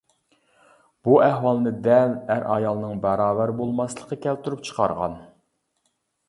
بۇ ئەھۋالنى دەل ئەر-ئايالنىڭ باراۋەر بولماسلىقى كەلتۈرۈپ چىقارغان.